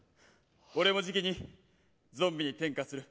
俺は、じきにゾンビに転化する。